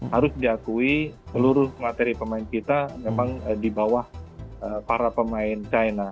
harus diakui seluruh materi pemain kita memang di bawah para pemain china